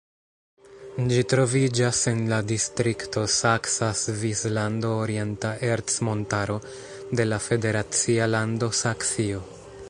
Ĝi troviĝas en la distrikto Saksa Svislando-Orienta Ercmontaro de la federacia lando Saksio.